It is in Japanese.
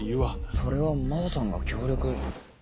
それは真帆さんが協力。